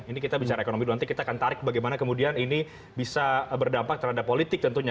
ini kita bicara ekonomi nanti kita akan tarik bagaimana kemudian ini bisa berdampak terhadap politik tentunya